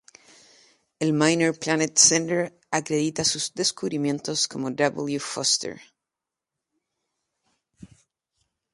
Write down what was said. El Minor Planet Center acredita sus descubrimientos como W. Forster.